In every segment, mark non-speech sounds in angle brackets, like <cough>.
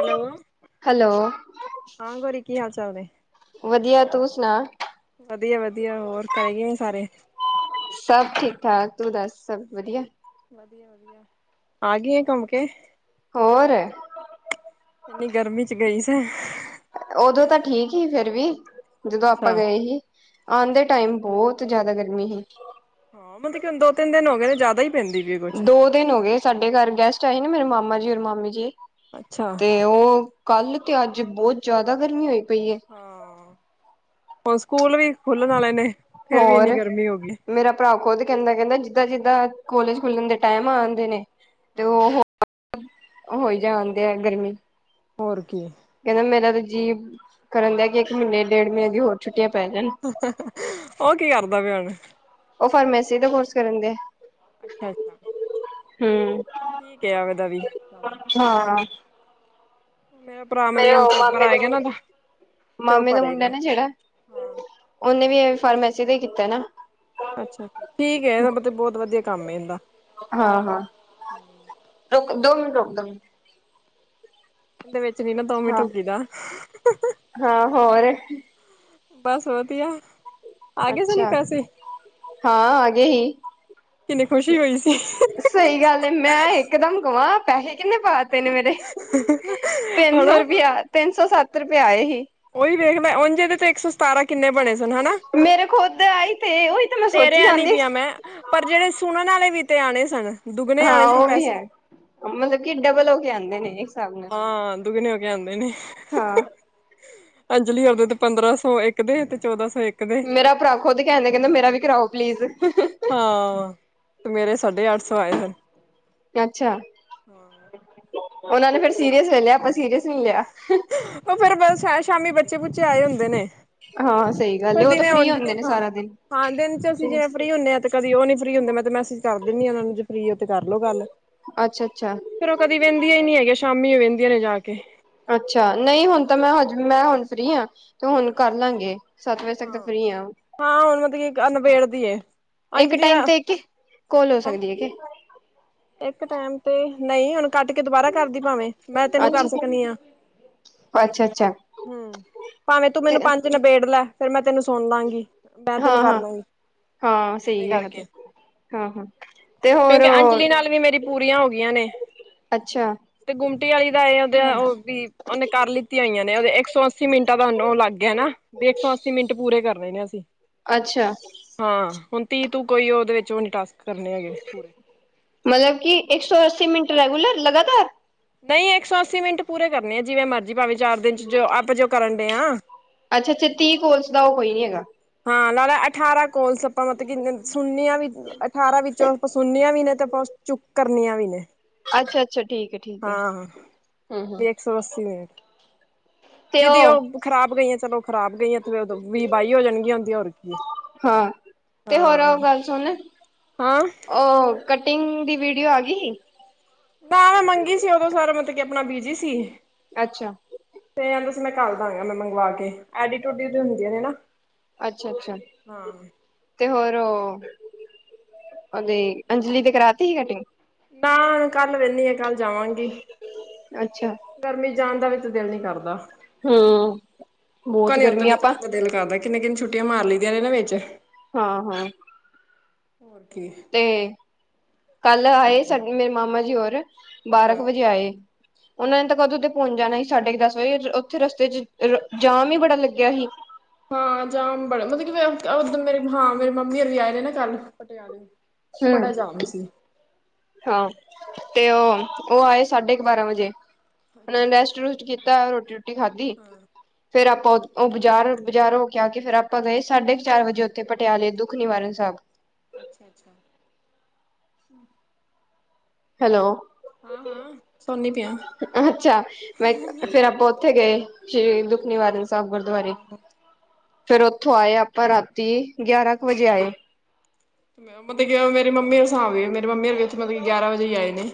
Hello hello ਹਾਂ ਗੋਰੀ ਕੀ ਹਾਲ ਚਾਲ ਨੇ ਵਧੀਆ ਤੂੰ ਸੁਣਾ ਵਧੀਆ ਵਧੀਆ ਹੋਰ ਘਰੇ ਕਿਵੇਂ ਸਾਰੇ ਸਭ ਠੀਕ ਠਾਕ ਤੂੰ ਦੱਸ ਸਭ ਵਧੀਆ ਆ ਗਈ ਘੁੰਮ ਕੇ ਹੋਰ ਰ ਇੰਨੀ ਗਰਮੀ ਚ ਗਈ ਸੀ ਉਦੋਂ ਤਾਂ ਠੀਕ ਹੀ ਫਿਰ ਵੀ ਜਦੋਂ ਆਪਾਂ ਅੱਛਾ ਗਏ ਸੀ ਆਂਦੇ ਟਾਈਮ ਬਹੁਤ ਜ਼ਿਆਦਾ ਗਰਮੀ ਸੀ ਹੁਣ ਦੋ ਤਿੰਨ ਦਿਨ ਹੋ ਗਏ ਨੇ ਜ਼ਿਆਦਾ ਹੀ ਪੈਂਦੀ ਪਈ ਕੁੱਛ ਦੋ ਦਿਨ ਹੋ ਗਏ ਸਾਡੇ ਘਰ ਗੈਸਟ ਆਏ ਨੇ ਮੇਰੇ ਮਾਮਾ ਜੀ ਔਰ ਮਾਮੀ ਜੀ ਅੱਛਾ ਤੇ ਉਹ ਕੱਲ ਤੇ ਅੱਜ ਬਹੁਤ ਜ਼ਿਆਦਾ ਗਰਮੀ ਹੋਈ ਪਈ ਹੁਣ ਸਕੂਲ ਵੀ ਖੁੱਲਣ ਵਾਲੇ ਨੇ ਫੇਰ ਵੀ ਇੰਨੀ ਹੋਰ ਗਰਮੀ ਹੋ ਗਈ ਮੇਰਾ ਭਰਾ ਖੁਦ ਕਹਿੰਦਾ ਕਹਿੰਦਾ ਜਿਦਾਂ ਜਿੱਦਾਂ ਕੋਾਲਜ ਖੁਲਣ ਦੇ ਟਾਈਮ ਆਦੇ ਨੇ ਤੇ ਹਾਂ ਉਹ ਹੋਈ ਜਾਣਦੇ ਆ ਗਰਮੀ ਹੋਰ ਕੀ ਕਹਿੰਦਾ ਮੇਰਾ ਤਾਂ ਜੀਅ ਕਰਨ ਦਿਆ ਕਿ ਇੱਕ ਮਹੀਨੇ ਡੇਢ ਮਹੀਨੇ ਦੀਆਂ ਹੋਰ ਛੁੱਟੀਆਂ ਪੈ ਜਾਣ ਉਹ ਕੀ ਕਰਦਾ ਪਿਆ ਹੁਣ ਉਹ ਫਾਰਮੇਸੀ ਦਾ ਕੋਰਸ ਕਰਨ ਦੀਐ ਅੱਛ ਹਮ ਵੀ ਹਾਂ ਮੇਰੇ ਭਰਾ ਮੇਰੇ ਮਤਲ ਉਹ ਪੇਪਰ ਮਾਮੇ ਦੇ ਆਏਗਾ ਨਾ, ਮੁੰਡੇ ਤੇ ਉਹ ਮਾਮੇ ਦਾ ਭਰੇ ਮੁੰਡਾ ਗਾ ਨਾ ਜਿਹੜਾ ਹਾ। ਉਹਨੇ ਵੀ ਇਹ ਫਾਰਮੇਸੀ ਦਾ ਕੀਤਾ ਨਾ ਅੱਛਾ ਠੀਕ ਹੈ ਇਹਦਾ ਮਤਲਬ ਬਹੁਤ ਵਧੀਆ ਕੰਮ ਏ ਇਹਦਾ ਹਾਂ ਹਾਂ ਦੋ ਦੋ ਮਿੰਟ ਰੁਕ ਕਦੇ ਵਿੱਚ ਨੀ ਨਾ ਦੋ ਮਿੰਟ ਰੁਕੀ ਦਾ ਹਾਂ ਹੋਰ ਬਸ ਵਧੀਆ ਆ ਗਏ ਸਾਨੂੰ ਅੱਛਾ ਪੈਸੇ ਹਾਂ ਆ ਗਏ ਹੀ। ਕਿੰਨੀ ਖੁਸ਼ੀ ਹੋਈ ਸੀ ਸਹੀ ਗੱਲ ਏ ਮੈਂ ਇੱਕ ਦਮ ਕਵਾਂ ਪੈਸੇ ਕਿੰਨੇ ਪਾਤੇ ਪਹਿਲੇ ਮੇਰੇ, ਤਿੰਨ ਹਨਾ ਸੌ ਰੁਪਇਆ, ਤਿੰਨ ਸੌ ਸੱਤ ਰੁਪਏ ਆਏ ਹੀ। ਉਹੀ ਵੇਖ ਮੈਂ ਉਂਝ ਤੇ ਇੱਕ ਸੌ ਸਤਾਰਾਂ ਕਿੰਨੇ ਬਣੇ ਸ ਸਨਾਣਾ, ਮੇਰੇ ਖੁਦ ਆਈ ਤੇ ਉਹੀ ਤਾਂ ਮੈਂ ਤੇਰੇ ਸੋਚੀ ਆਂਨੀ ਜਾਂਦੀ ਪਿਆ ਮੈਂ ਪਰ ਜਿਹੜੇ ਸੁਣਨ ਵਾਲੇ ਵੀ ਤੇ ਆਉਣੇ ਸਨ। ਦੁੱਗਣੇ ਆਣੇ ਹਾਂ ਸਨ ਉਹ ਵੀ ਪੈਸੇ ਹੈ, ਮਤਲਬ ਕਿ ਡਬਲ ਹੋ ਕੇ ਆਂਉਦੇ ਨੇ ਹਿਸਾਬ ਨਾਲ ਹਾਂ ਦੁਗਣੇ ਹੋ ਕੇ ਆਉਂਦੇ ਨੇ ਹਾਂ ਅੰਜਲੀ ਆਪਦੇ ਤੇ ਪੰਦਰਾਂ ਸੌ, ਇੱਕ ਦੇ ਤੇ ਚੌਦਾਂ ਸੌ ਇੱਕ ਦੇ ਮੇਰਾ ਭਰਾ ਖੁਦ ਕਹਿਣ ਦਾ, ਕਹਿੰਦਾ ਮੇਰਾ ਵੀ ਕਰਾਓ ਪਲੀਜ਼ ਹਾਂ ਮੇਰੇ ਸਾਢੇ ਅੱਠ ਸੌ ਆਏ ਸਨ। ਅੱਛਾ, ਉਹਨਾਂ ਨੇ ਫੇਰ ਸੀਰੀਅਸ ਲੈ ਲਿਆ, ਆਪਾਂ ਸੀਰੀਅਸ ਨੀ ਲਿਆ। ਉਹ ਫਿਰ ਬਸ ਸ਼ਾਮੀ ਬੱਚੇ ਬੁੱਚੇ ਆਏ ਹੁੰਦੇ ਨੇ ਹਾਂ ਸਹੀ ਪਰ ਗੱਲ, ਉਹ ਤਾਂ ਦਿਨੇ ਫਰੀ ਉਂਝ ਨੀ ਹੁੰਦੇ ਨੇ ਖਾ ਸਾਰਾ ਦਿਨ ਹਾਂ ਦਿਨ 'ਚ ਅਸੀਂ ਜੇ ਫਰੀ ਹੁੰਦੇ ਹਾਂ ਤੇ ਕਦੀ ਉਹ ਨਹੀਂ ਫਰੀ ਹੁੰਦੇ ਮੈਂ ਤੇ ਮੈਸੇਜ ਕਰ ਦਿੰਦੀ ਹਾਂ ਉਹਨਾਂ ਨੂੰ ਜੇ ਫਰੀ ਹੋ ਤੇ ਕਰ ਲੋ ਗੱਲ ਅੱਛਾ, ਅੱਛਾ ਫੇਰ ਉਹ ਕਦੀ ਵਹਿੰਦੀਆਂ ਹੀ ਨੀ ਹੈਗੀਆਂ, ਸ਼ਾਮੀ ਉਹ ਵਹਿੰਦੀਆਂ ਨੇ ਜਾ ਕੇ ਅੱਛਾ, ਨਹੀਂ ਹੁਣ ਤਾਂ ਮੈਂ ਹਜੇ ਵੀ ਮੈਂ ਹੁਣ ਫਰੀ ਹਾਂ ਤੇ ਹੁਣ ਕਰ ਲਵਾਂਗੇ ਸੱਤ ਵਜੇ ਤੱਕ ਤਾਂ ਹਾਂ। ਫ੍ਰਰੀ ਆ, ਹਾਂ ਹੁਣ ਮਤਲਬ ਕਿ ਨਿਬੇੜਦੀ ਏ ਇੱਕ ਅੰਜਲੀ ਟਾਈਮ ਤੇ ਇੱਕ ਕੋਲ ਹੋ ਸਕਦੀ ਹੈ ਕਿ ਇੱਕ ਟਾਈਮ ਤੇ ਨਹੀਂ ਹੁਣ ਕੱਟ ਕੇ ਦੁਬਾਰਾ ਕਰਦੀ ਭਾਵੇਂ, ਮੈਂ ਤੈਨੂੰ ਕਰ ਅੱਛਾ ਸਕਦੀ ਆਂ ਅੱਛਾ ਅੱਛਾ ਹਮ, ਭਾਵੇਂ ਤੂੰ ਤੇ ਮੈਨੂੰ ਪੰਜ ਨਿਬੇੜ ਲੈ ਫਿਰ ਮੈਂ ਤੈਨੂੰ ਸੁਣ ਲਵਾਂਗੀ, ਮੈਂ ਤੈਨੂੰ ਹਾਂ ਕਰ ਹਾਂ ਲੂੰਗੀ ਹਾਂ ਹਾਂ, ਤੇ ਹੋਰ ਅੰਜਲੀ ਨਾਲ ਵੀ ਮੇਰੀ ਪੂਰੀਆਂ ਹੋ ਗਈਆਂ ਨੇ, ਅੱਛਾ-ਅੱਛਾ ਤੇ ਗੁੰਮਟੀ ਆਲੀ ਦਾ ਇਹ ਆਦੇ ਉਹ ਵੀ ਉਹਨੇ ਕਰ ਲਿੱਤੀ ਹੋਈਆਂ ਨੇ, ਉਹਦੇ ਇੱਕ ਸੋ ਅਸ ਅੱਸੀ ਮਿੰਟਾਂ ਦਾ ਅੰਦਰੋਂ ਲਗ ਗਿਆ ਨਾ, ਤੇ ਇੱਕ ਸੌ ਅੱਸੀ ਮਿੰਟ ਪੂਰੇ ਕਰਨੇ ਅਸੀਂ ਹਾਂ, ਹੁਣ ਤੀਹ ਤੂ ਕੋਈ ਉਹਦੇ ਵਿਚੋਂ ਨੀ ਟਾਸਕ ਕਰਨੇ ਹੈਗੇ, ਪੂਰੇ ਮਤਲਬ ਕਿ ਇੱਕ ਸੌ ਅੱਸੀ ਮਿੰਟ ਰੈਗੂਲਰ ਲਗਾਤਾਰ ਨਹੀਂ ਇੱਕ ਸੌ ਅੱਸੀ ਮਿੰਟ ਪੂਰੇ ਕਰਨੇ ਐਂ ਜਿਵੇਂ ਮਰਜ਼ੀ ਭਾਵੇਂ ਚਾਰ ਦਿਨ 'ਚ ਜੋ ਆਪਾਂ ਜੋ ਕਰਨ ਦੇ ਆ ਅੱਛਾ-ਅੱਛਾ ਤੀਹ ਕੋਲਸ ਦਾ ਉਹ ਕੋਈ ਨੀ ਹੈਗਾ। ਹਾਂ, ਲਾਲਾ ਅਠਾਰਾਂ ਕੋਲਸ ਆਪਾਂ ਮਤਲਬ ਕਿ ਸੁਨਣੀਆਂ ਵੀ, ਅਠਾਰਾਂ ਵਿੱਚੋਂ ਕੁਛ ਸੁਨਣੀਆਂ ਵੀ ਨੇ, ਤੇ ਕੁਛ ਚੁੱਕ ਕਰਨੀਆਂ ਵੀ ਨੇ ਅੱਛਾ-ਅੱਛਾ ਠੀਕ ਹੈ-ਠੀਕ ਹੈ। ਹਾਂ, ਹੂੰ-ਹੂੰ ਹਾਂ ਇੱਕ ਸੌ ਅੱਸੀ ਮਿੰਟ ਦੀਦੀ ਉਹ ਖ਼ਰਾਬ ਗਈਆਂ ਚਲੋ ਖਰਾਬ ਗਈਆਂ ਤੇ ਫਿਰ ਵੀਹ ਬਾਈ ਹੋ ਜਾਣਗ ਹਾਂ, ਤੇ ਹਾਂ ਹੋਰ ਉਹ ਗੱਲ ਸੁਣ, ਹਾਂ। ਉਹ ਕਟਿੰਗ ਦੀ ਵੀਡੀਓ ਆ ਗੀ ਹੀ। ਨਾ ਮੈਂ ਮੰਗੀ ਸੀ ਉਦੋਂ ਸਾਰਾ ਮਤਲਬ ਕਿ ਆਪਣਾ ਬੀਜੀ ਸੀ। ਅੱਛਾ ਤੇ ਬਸ ਮੈਂ ਕਰ ਦਵਾਂਗਾ ਮੈਂ ਮੰਗਵਾ ਕੇ, ਐਡੀ ਟੂਡੀ ਹੁੰਦੀਆਂ ਨੇ ਨਾ ਅੱਛਾ-ਅੱਛਾ ਹਾਂ ਤੇ ਹੋਰ ਉਹ, ਉਦੀਂ ਅੰਜਲੀ ਦੀ ਕਰਾਤੀ ਸੀ ਕਟਿੰਗ। ਨਾ ਕੱਲ ਵਿਹਲੇ ਆ ਕੱਲ ਜਾਵਾਂਗੀ। ਅੱਛਾ ਗਰਮੀ ਜਾਣ ਦਾ ਵੀ ਤੇ ਦਿਲ ਨੀ ਕਰਦਾ। ਹੂੰ, ਲੋਕਾਂ ਬਹੁਤ ਨੇ ਉਦੋਂ ਗਰਮੀ ਆਪਾਂ ਨਿਕਲਣ ਦਾ ਦਿਲ ਕਰਦਾ ਕਿੰਨੇ ਕਿੰਨੇ ਛੁੱਟੀਆਂ ਮਾਰ ਲਈਦੀਆਂ ਨੇ ਨਾ ਵਿੱਚ ਹਾਂ, ਹਾਂ ਹੋਰ ਕੀ ਤੇ, ਕੱਲ ਆਏ ਸਾਡੇ ਮੇਰੇ ਮਾਮਾ ਜੀ ਹੋਰ ਬਾਰਾਂ ਹਾਂ ਕੁ ਵਜੇ ਆਏ, ਉਹਨਾਂ ਨੇ ਤਾਂ ਕਦੋਂ ਦੇ ਪਹੁੰਚ ਜਾਣਾ ਸੀ ਸਾਡੇ ਕ ਦਸ ਵਜੇ, ਓਥੇ ਰਸਤੇ 'ਚ ਜਾਮ ਈ ਬੜਾ ਲੱਗਿਆ ਸੀ। ਹਾਂ ਜਾਮ ਬੜਾ ਮਤਲਬ ਕਿ ਓਦਨ ਮੇ ਹਾਂ ਮੇਰੇ ਮੰਮੀ ਹੋਣੀ ਵੀ ਆਏ ਦੇ ਨਾ ਕੱਲ ਪਟਿਆਲੇ। ਬੜਾ ਜਾਮ ਹੂ ਸੀ ਹਾਂ ਤੇ ਓ ਓ ਆਏ ਸਾਢੇ ਕੁ ਬਾਰਾਂ ਵਜੇ। ਓਨਾਂ ਨੇ ਅੱਛਾ ਰੈਸਟ ਰੂਸਟ ਕੀਤਾ ਰੋਟੀ ਰੂਟੀ ਖਾਧੀ। ਹਾਂ ਫੇਰ ਆਪਾਂ ਓ ਬਜ਼ਾਰ ਬਜ਼ਾਰ ਹੋ ਕੇ ਆ ਕੇ ਫੇਰ ਆਪਾਂ ਗਏ ਸਾਢੇ ਕੁ ਚਾਰ ਵਜੇ ਓਥੇ ਪਟਿਆਲੇ ਦੁੱਖ ਨਿਵਾਰਨ ਸਾਹਿਬ। ਅੱਛਾ ਅੱਛਾ। ਹੈਲੋ। ਸੋਨੀ ਤੇ ਐ। ਅੱਛਾ ਮੈਂ ਫੇਰ ਆਪਾਂ ਓਥੇ ਗਏ ਸ਼੍ਰੀ ਦੁੱਖ ਨਿਵਾਰਨ। ਗੁਰਦੁਵਾਰੇ ਆਹੋ ਫੇਰ ਓਥੋਂ ਆਏ ਆਪਾਂ ਰਾਤੀ ਗਿਆਰਾਂ ਕੁ ਵਜੇ ਆਏ। ਮਤਬ ਕਿਆ ਮੇਰੀ ਮੰਮੀ ਦਾ ਸਾਬ ਏ। ਮੇਰੀ ਮੰਮੀ ਹੋਰੀ ਓਥੇ ਮਤਬ ਕੀ ਗਿਆਰਾਂ ਵਜੇ ਈ ਆਏ ਨੇ।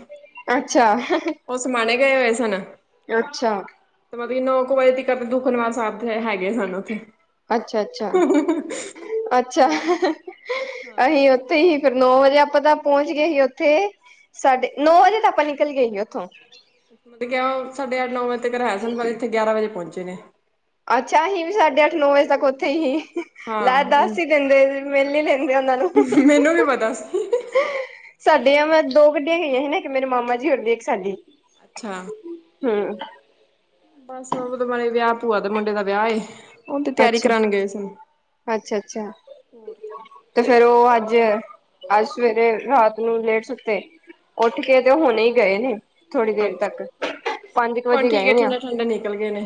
ਅੱਛਾ। ਉਹ ਸਮਾਣੇ ਗਏ ਹੋਏ ਸਨ। ਅੱਛਾ। ਤੇ ਮਤਲਬ ਕਿ ਨੌ ਕੁ ਵਜੇ ਤ ਦੁੱਖ ਨਿਵਾਰਨ ਸਾਹਿਬ ਹੈ ਹੈਗੇ ਸਨ ਉੱਥੇ। ਅੱਛਾ ਅੱਛਾ ਅੱਛਾ ਹੋਰ ਹਾਂ ਅਹੀਓ। ਤੇ ਹੀ ਫਿਰ ਨੌ ਵਜੇ ਆਪਾਂ ਤਾਂ ਪਹੁੰਚ ਗਏ ਹੀ ਉੱਥੇ। ਸਾਡੇ ਨੌ ਵਜੇ ਤਾਂ ਆਪਾਂ ਨਿਕਲ ਗਏ ਹੀ ਉੱਥੋਂ। ਮਤਲਬ ਕਿ ਸਾਡੇ ਅੱਠ ਨੌ ਵਜੇ ਤੱਕ <unintelligible> ਸਨ ਪਰ ਇੱਥੇ ਗਿਆਰਾਂ ਵਜੇ ਪਹੁੰਚੇ ਨੇ। ਅੱਛਾ ਅਹੀ ਵੀ ਸਾਡੇ ਅੱਠ ਨੌ ਵਜੇ ਤੱਕ ਉੱਥੇ ਹੀ। ਹਾਂ ਲੈ ਦੱਸ ਈ ਦਿੰਦੇ ਮਿਲ ਲੀ ਲੈਂਦੇ ਉਹਨਾਂ ਨੂੰ। ਮੈਨੂੰ ਵੀ ਪਤਾ ਸੀ ਸਾਡੀਆਂ ਮੈਂ ਦੋ ਗੱਡੀਆਂ ਗਈਆਂ ਹੀ ਨਾ ਇੱਕ ਮੇਰੇ ਮਾਮਾ ਜੀ ਹੋਰ ਦੀ ਇੱਕ ਸਾਡੀ। ਅੱਛਾ। ਹੂੰ। ਬਸ ਓਦੇ ਬਾਰੇ ਵਿਆ ਭੂਆ ਦਾ ਮੁੰਡੇ ਦਾ ਵਿਆ ਏ ਓਹ ਤੇ ਤਿਆਰੀ ਅੱਛਾ, ਕਰਾਨ ਗਏ ਸੀ। ਅੱਛਾ ਅੱਛਾ। ਤੇ ਫੇਰ ਓ ਅੱਜ ਅੱਜ ਸਵੇਰੇ ਰਾਤ ਨੂੰ ਲੇਟ ਸੁੱਤੇ। ਉੱਠ ਕੇ ਤੇ ਓ ਹੁਣੇ ਈ ਗਏ ਨੇ। ਥੋੜੀ ਦੇਰ ਅੱਛਾ ਤੱਕ ਪੰਜ ਕੁ ਹੁਣ ਵਜੇ ਠੀਕ ਹੈ ਗਏ ਨੇ ਓ। ਠੰਡੇ ਠੰਡੇ ਨਿਕਲ ਗਏ ਨੇ।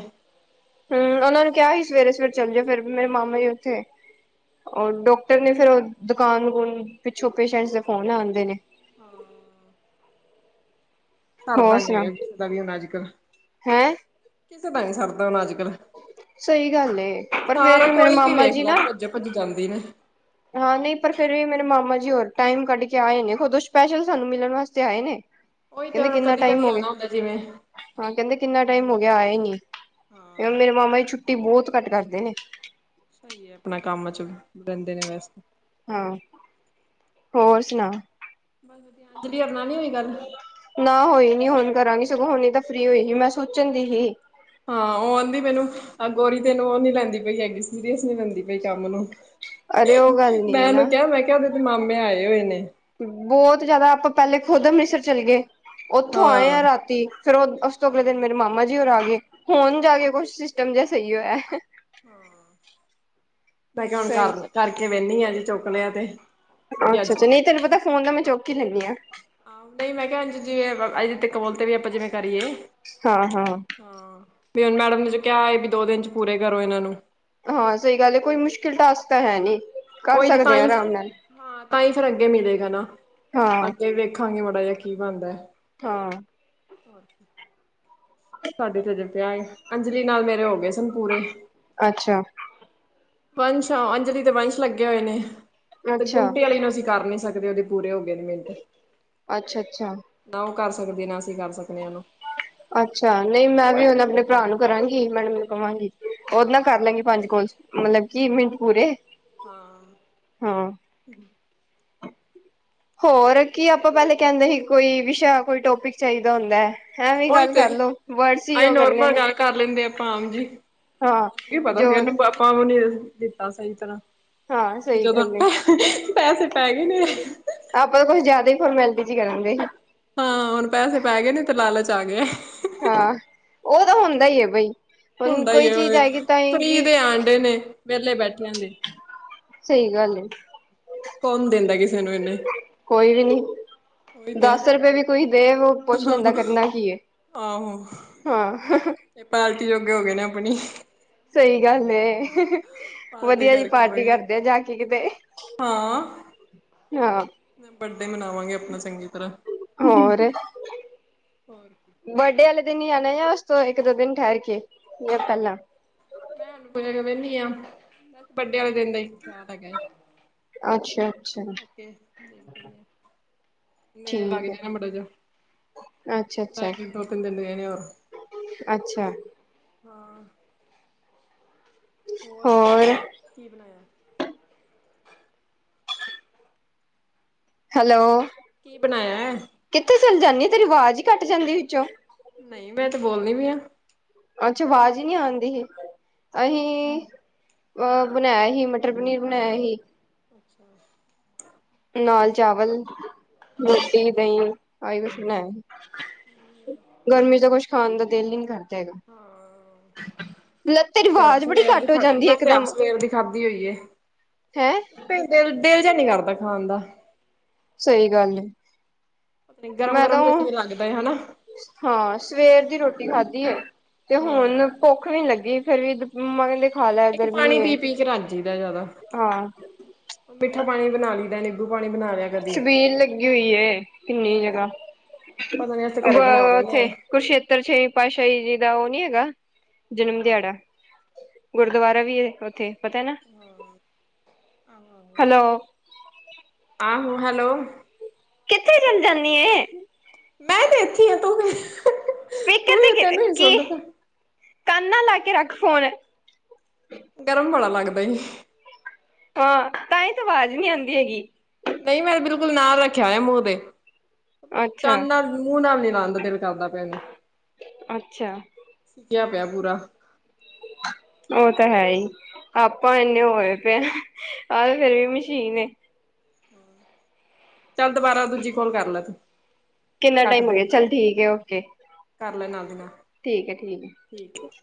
ਹਮ ਓਨਾਂ ਨੂੰ ਕਿਆ ਸੀ ਸਵੇਰੇ ਸਵੇਰੇ ਚੱਲ ਜੋ ਫੇਰ ਵੀ ਮੇਰੇ ਮਾਮਾ ਜੀ ਓਥੇ। ਓ ਡਾਕਟਰ ਨੇ ਫੇਰ ਓ ਦੁਕਾਨ ਦਕੂਨ ਪਿੱਛੋਂ ਪੇਸ਼ਟਸ ਦੇ ਫੋਨ ਆਂਦੇ ਨੇ। ਹੋਰ ਕਰਦਾ ਈ ਸੁਣਾ ਏ ਹੈਗਾ ਸੂਟਾਂ ਦੀ ਅੱਜ ਕੱਲ੍ਹ। ਹੈਂ। ਕਿਸੇ ਦਾ ਨੀ ਸੜਦਾ ਹੋਣਾ ਅੱਜ ਕੱਲ੍ਹ। ਸਈ ਗੱਲ ਏ। ਪਰ ਫੇਰ ਵੀ ਮੇਰੇ ਮਾਮਾ ਜੀ ਨਾ। ਪੁੱਜ ਜਾਂਦੀ ਨੇ। ਹਾਂ ਨਈ ਪਰ ਫੇਰ ਵੀ ਮੇਰੇ ਮਾਮਾ ਜੀ ਹੋਰ ਟਾਈਮ ਕੱਢ ਕੇ ਆਏ ਨੇ ਖੁਦੋਂ ਓ ਸਪੈਸ਼ਲ ਸਾਨੂੰ ਮਿਲਣ ਵਾਸਤੇ ਆਏ ਨੇ। ਓਈ ਤਾਂ ਕਹਿੰਦੇ ਹੁਨ ਕਿੰਨਾ ਕਦੀ ਟਾਈਮ ਕਦੀ ਹੋ ਗਿਆ ਆਣਾ ਹੁੰਦਾ ਜਿਵੇਂ। ਹਾਂ ਕੇਦੇ ਕਿੰਨਾ ਟਾਈਮ ਹੋ ਗਿਆ ਆਏ ਨੀ। ਹਾਂ ਮੇਰੇ ਮਾਮਾ ਜੀ ਛੁੱਟੀ ਬੋਤ ਘੱਟ ਕਰਦੇ ਨੇ। ਸਈ ਏ ਆਪਣਾ ਕੰਮ ਚ ਰੇਂਦੇ ਨੇ ਵੈਸੇ। ਹਾਂ ਹੋਰ ਸੁਣਾ। ਅੰਜਲੀ ਹੋਰਾ ਨਾ ਨੀ ਹੋਈ ਗੱਲ। ਨਾ ਹੋਈ ਨੀ ਹੁਣ ਕਰਾਂਗੀ ਸਗੋਂ ਹੁਣੀ ਤਾਂ ਫ੍ਰੀ ਹੋਈ ਸੀ ਮੈਂ ਸੋਚਣ ਦੀ ਸੀ। ਹਾਂ ਓ ਆਂਦੀ ਮੈਨੂੰ ਗੋਰੀ ਤੈਨੂੰ ਓ ਨੀ ਲੈਂਦੀ ਪਈ ਹੈਗੀ ਸੀਰੀਅਸ ਨੀ ਲੈਂਦੀ ਪਈ ਕੰਮ ਨੂੰ। ਅਰੇ ਹੇ ਉਹ ਹੇ ਗੱਲ ਨੀ ਹੈ ਮੈਂ ਓਨੂੰ ਨਾ ਕਿਆ ਮੈਂ ਕਿਆ ਓਦੇ ਤੇ ਮਾਮੇ ਆਏ ਹੋਏ ਨੇ। ਬੋਤ ਜਾਦਾ ਆਪਾਂ ਪੈਲੇ ਖੁਦ ਅੰਮ੍ਰਿਤਸਰ ਚਲੇ ਗਏ ਓਥੋਂ ਆਏ ਆ ਹਾਂ ਰਾਤੀ। ਫੇਰ ਓ ਓਸ ਤੋਂ ਅਗਲੇ ਦਿਨ ਮੇਰੇ ਮਾਮਾ ਜੀ ਹੋਰ ਆ ਗਏ। ਹੋਣ ਜਾ ਗਏ ਕੁਛ ਸਿਸਟਮ ਜਿਆ ਸਈ ਹੋਇਆ। ਹਾਂ। ਮੈਂ ਕਿਆ ਹੁਣ ਸਹੀ। ਕਰ ਕਰਕੇ ਵੇਨੀ ਆ ਜੇ ਚੁੱਕ ਲਿਆ ਤੇ ਵੀ ਅੱਜ। ਅੱਛਾ-ਅੱਛਾ ਨਹੀਂ ਤੈਨੂੰ ਪਤਾ ਫੋਨ ਨਾ ਮੈਂ ਚੁੱਕ ਹੀ ਲੈਂਨੀ ਹਾਂ। ਨਹੀਂ ਮੈਂ ਕਿਹਾ ਜਿਵੇਂ ਅਜੇ ਤਕ ਕੋਲ ਤੇ ਵੀ ਆਪਾਂ ਜਿਵੇਂ ਕਰੀਏ। ਹਾਂ-ਹਾਂ। ਹਾਂ ਵੀ ਹੁਨ ਮੈਡਮ ਨੇ ਜੋ ਕੇਆ ਵੀ ਦੋ ਦਿਨ ਚ ਪੂਰੇ ਕਰੋ ਏਨਾਂ ਨੂੰ। ਹਾਂ, ਸਈ ਗਾੱਲ ਏ ਕੋਈ ਮੁਸ਼ਕਿਲ ਟਾਸਕ ਤਾਂ ਹੈ ਨੀ। ਕਰ ਓਈ ਤੇ ਸਕਦੇ ਆ ਤਾਂਈ ਫ, ਆਰਾਮ ਨਾਲ। ਤਾਂਈ ਫੇਰ ਅੱਗੇ ਮਿਲੇਗਾ ਨਾ, ਹਾਂ-ਹਾਂ ਅੱਗੇ ਦੇਖਾਂਗੇ ਮਾੜਾ ਜੇਆ ਕੀ ਬਾਨਦੈ। ਹਾਂ। ਹੋਰ ਕੀ। ਸਾਡੇ ਤੇ ਹਜੇ ਪੇਆ ਏ, ਅੰਜਲੀ ਨਾਲ ਮੇਰੇ ਹੋ ਗਏ ਸਨ ਪੂਰੇ। ਅੱਛਾ। ਵੰਸ਼ ਆ ਅੰਜਲੀ ਤੇ ਵੰਸ਼ ਲੱਗੇ ਹੋਏ ਨੇ, ਤੇ ਗੁੰਮਟੀੇ ਵਾਲੀ ਨੂੰ ਅਸੀਂ ਕਾਰ ਨੀ ਸਕਦੇ ਓਦੇ ਪੂਰੇ ਹੋ ਗਏ ਨੇ ਮਿੰਟ, ਅੱਛਾ-ਅੱਛਾ-ਅੱਛਾ ਨਾ ਓ ਕਾਰ ਸਕਦੀ ਨਾ ਅਸੀਂ ਕਾਰ ਸਕਨੇ ਹਾਂ ਓਨੂ। ਅੱਛਾ, ਨਈ ਮੈਂ ਵੀ ਹੁਨ ਆਪਨੇ ਭਰਾ ਨੂੰ ਕਰਾਂਗੀ ਮੈਂੜਮ ਨੂੰ ਕਵਾਂਗੀ। ਓਦ ਨਾਲ ਕਰ ਹਾਂ ਲਾਂਗੀ ਪੰਜ ਕੋਲਸ, ਮਲਬ ਕੀ ਮਿੰਟ ਪੂਰੇ। ਹਾਂ। ਹਾਂ। ਹੋਰ ਕੀ ਆਪਾਂ ਪੈਲੇ ਕੇਂਦੇ ਹੀ, ਕੋਈ ਵਿਸ਼ਾ ਕੋਈ ਟੋਪਿਕ ਚਾਈਦਾ ਹੁੰਦੈ। ਐਂਵੀ ਉਹੀ ਗਾੱਲ ਤੇ ਕਾਰਲੋ, ਵੜਸ ਈ ਅਸੀਂ ਈਓ ਕਰਨੇ ਨੋਰਮਲ ਨੇ। ਗੱਲ ਕਰ ਲੈਂਦੇ ਆਪਾਂ ਆਮ ਹਾਂ, ਜੋਗ ਕਾੰਮ ਨੀ ਅ, ਦਿੱਤਾ ਸਈ ਤਰਾਂ। ਹਾਂ ਤੇ ਸਹੀ ਜਦੋਂ ਗੱਲ ਏ ਪ, ਪੈਸੇ ਪੈ ਗੇ ਨੇ। ਆਪਾਂ ਤਾਂ ਕੋਛ ਜਾਦਾ ਈ ਫੋਰਮੈਲਿਟੀ ਜੀ ਕਰਾਂਗੇ। ਹਾਂ, ਹੋਣ ਪੈਹੇ ਪੈ ਗੇਨੇ ਤੇ ਲਾਲੋ ਜਾ ਕੇ। ਹਾਂ, ਓ ਤਾਂ ਹੁੰਦਾ ਈ ਏ ਬਈ। ਹੁਣ ਹੁੰਦਾ ਈ ਕੋਈ ਐ, ਚੀਜ਼ ਓ ਆਏਗੀ ਤਾਂ ਹੀ ਫ੍ਰੀ ਕਿ ਦੇ ਆਂਡੇ ਨੇ ਵੇਲੇ ਬੈਠੇਆਂ ਦੇ। ਸਈ ਗਾੱਲ ਏ। ਕੌਣ ਦਿੰਦਾ ਕਿਸੇ ਨੂੰ ਇਹਨੇ ਕੋਈ ਵੀ ਨੀ, ਉਹੀ ਤੇ ਦਾਸ ਰਪੇ ਵੀ ਕੋਈ ਦੇਵ- ਆਹੋ। ਹਾਂ। ਏ ਪਾਲਟੀ ਜੋਗੇ ਹੋ ਗ ਨਾ ਆਪਣੀ। ਸਈ ਗਾੱਲ ਏ, ਪਾਰਟੀ ਵਦੀਆ ਜੀ ਕਰਕੇ ਪਾਰਟੀ ਆਵਾਂਗੇ ਕਾਰਦੇ ਆ ਜਾ ਕੇ ਕਿਤੇ। ਹਾਂ। ਮੈਂ ਬਡੇ ਮਨਾਵਾਂਗੇ ਆਪਨਾ ਚੰਗੀ ਤਰਾਂ, ਹੋਰ। ਕੀ ਬਡੇ ਵਾਲੇ ਦਿਨ ਈ ਆਨਾ ਯਾਂ ਓਸ ਤੋਂ ਇੱਕ-ਦੋ ਦਿਨ ਠੈਰ ਕੇ, ਯਾਂ ਪੈਲਾਂ? ਮੈਂ ਹੁਨ <unintelligible> ਵੇਨੀ ਆ, ਵੈਸੇ ਬੱਡੇ ਵਾਲੇ਼ ਦਿਨ ਦਾ ਈ। <unintelligible> ਅੱਛਾ ਅੱਛਾ ਓਕੇ ਦੇਖਦੇ ਆਂ। ਨੇੜੇ ਬਾੱਗ ਠੀਕ ਹੈ ਜਾਂਗੇ ਮਾੜਾ ਜਾ। ਅੱਛਾ ਰੈ ਅੱਛਾ <unintelligible> ਦੋ-ਤਿੰਨ ਗਏ ਨੇ ਹੋਰ। ਅੱਛਾ ਹੋਰ, ਕੀ ਬਣਾਏਆ? ਹੈਲੋ ਕੀ ਬਨਾਏਐ? ਕਿੱਥੇ ਚੱਲ ਜਾਂਨੀ ਏ? ਤੇਰੀ ਵਾਜ ਈ ਕਾੱਟ ਜਾਂਦੀ ਵਿਚੋ। ਨਈ ਮੈਂ ਤੇ ਬੋਲਨੀ ਪੀ ਆਂ। ਅੱਛਾ, ਵਾਜ ਹੀ ਨੀ ਆਂਦੀ ਹੀ। ਅਹੀਂ ਅ ਬਨਾਏਆ ਹੀ ਮਟਰ-ਪਨੀਰ ਬਨਾਏਆ ਹੀ। ਅੱਛਾ। ਨਾਲ ਚਾਵਲ, ਰੋਟੀ, ਦਹੀਂ ਆਹੀ ਕੁਛ ਬਣਾਯਾ ਸੀ। ਗਰਮੀ ਚ ਤਾਂ ਕੁਛ ਖਾਣ ਦਾ ਦਿਲ ਈ ਨੀ ਕਰਦਾ ਹੈਗਾ। ਹਾਂ ਲ ਤੇਰੀ ਤੇ ਆਪ ਵਾਜ ਬੜੀ ਸਵੇਰ ਦੀ ਘਾੱਟ ਹੋ ਖਾ ਜਾਂਦੀ ਏ ਮੈਂ ਇੱਕ ਤੇ ਆਪ ਦਮ। ਸਵੇਰ ਹੈਂ ਤੇ ਦੇਲ, ਦੇਲ ਜੇਆ ਨੀ ਕਾਰਦਾ ਖਾਣ ਦਾ। ਸਈ ਗਾੱਲ ਏ। ਅਪਨੀ ਗਰਮ-ਗਰਮ ਤੇ ਅਸੀ ਬਨਾ ਲੈਦੇ ਹਨਾ। ਹਾਂ ਸਵੇਰ ਦੀ ਰੋਟੀ ਖਾਧੀ ਏ। ਤੇ ਹਮ ਹੁਣ ਭੁੱਖ ਨੀ ਲੱਗੀ ਫੇਰ ਵੀ ਮੰਮਾ ਕਹਿੰਦੇ ਹਾਲੈ ਇੱਕ ਗਰਮੀ ਪਾਣੀ ਏ ਪੀ ਪੀ ਕੇ ਰੱਜ ਜੀਦਾ ਜ਼ਿਆਦਾ ਹਾਂ। ਮਿੱਠਾ ਪਾਣੀ ਬਣਾ ਲੈਂਦੇ ਨੇ। ਨਿੰਬੂ ਪਾਣੀ ਬਣਾ ਰਿ ਛਬੀਲ ਲੱਗੀ ਹੋਈ ਏ ਕਿੰਨੀ ਜਗ੍ਹਾ ਪਤਾ ਨੀ ਅਸੀਂ ਅ ਬ ਘਰੇ ਬਣਾ ਲੈਂਦੇ ਓਥੇ ਹਾਂ ਕੁਰਸ਼ੇਤਰ ਛੇਵੀਂ ਪਾਤਸ਼ਾਹੀ ਜੀ ਦਾ ਉਹ ਨੀ ਹੈਗਾ ਜਨਮ ਦਿਹਾੜਾ ਆਹੋ ਗੁਰਦੁਆਰਾ ਵੀ ਏ ਓਥੇ ਪਤੈ ਨਾ ਆਹੋ ਹੈਲੋ। ਆਹੋ ਹੈਲੋ ਕਿੱਥੇ ਚਲ ਜਾਂਣੀ ਏ। <unintelligible> ਮੈਂ ਤੇ ਇੱਥੇ ਈ ਆ ਤੂੰ ਤੂੰ ਸਪੀਕਰ ਹੀ ਤੇ ਤੈਨੂੰ ਹੀ ਕੀ ਸੁਣਦਾ ਪਿਆ ਕੰਨ ਨਾਲ ਲਾ ਕੇ ਰੱਖ ਫੋਨ। ਗਰਮ ਬੜਾ ਲੱਗਦਾ ਹੀਂ। ਹਾਂ ਤਾਂ ਹੀ ਤੇ ਆਵਾਜ਼ ਨਹੀਂ ਆਂਦੀ ਹੈਗੀ। ਨਹੀਂ ਮੈਂ ਬਿਲਕੁਲ ਨਾਲ ਰੱਖਿਆ ਹੋਇਆ ਮੂੰਹ ਦੇ। ਕੰਨ ਨਾਲ ਮੂੰਹ ਨਾਲ ਨੀ ਲਾਨ ਦਾ ਦਿਲ ਨਹੀ ਕਰਦਾ ਪਿਆ ਹੈਗਾ। ਅੱਛਾ-ਅੱਛਾ। ਸੁਕਿਆ ਪਿਆ ਪੂਰਾ। ਉਹ ਤਾਂ ਹੈ ਹੀ ਆਪਾਂ ਇਨੇ ਹੋਏ ਪਏ। ਆਹ ਤੇ ਫੇਰ ਵੀ ਮਸ਼ੀਨ ਏ। ਚੱਲ ਦੁਬਾਰਾ ਦੂਜੀ ਕੋੋਲ ਕਰ ਲੈ ਤੂੰ। ਕਿੰਨਾ ਕੱਟ ਟਾਈਮ ਹੋ ਦੇ ਗਿਆ ਚੱਲ ਠੀਕ ਏ ਓਕੇ। ਕਰ ਲੈ ਨਾਲ ਦੀ ਨਾਲ। ਠੀਕ ਏ ਠੀਕ ਏ। <inaudible>